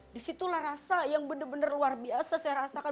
disitulah rasa yang benar benar luar biasa saya rasakan